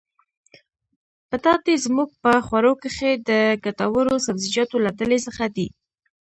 پټاټې زموږ په خوړو کښي د ګټورو سبزيجاتو له ډلي څخه دي.